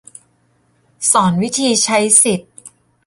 สอนวิธีใช้สิทธิ